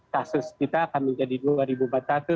kasus kita akan menjadi dua minggu